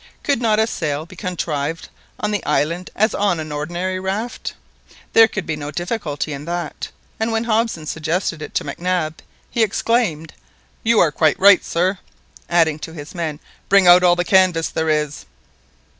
Could not a sail be contrived on the islet as on an ordinary raft? There could be no difficulty in that; and when Hobson suggested it to Mac Nab, he exclaimed— "You are quite right, sir;" adding to his men, "bring out all the canvas there is!"